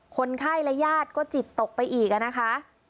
คนไข้และญาติก็จิตตกไปอีกนะคะ